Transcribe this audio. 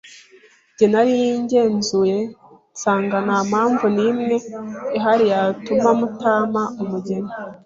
Nge narigenzuye nsanga nta mpamvu n’imwe ihari yatuma mutampa umugeni